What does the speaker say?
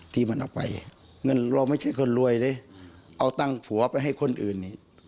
ที่มันเอาไปเงินเราไม่ใช่คนรวยเลยเอาตั้งผัวไปให้คนอื่นนี่